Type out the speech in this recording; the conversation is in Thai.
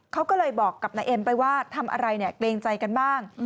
เขาก็เลยบอกกับนายเอ็มไปว่าทำอะไรเนี่ยเกรงใจกันบ้าง